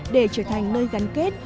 để trở thành nơi gắn kết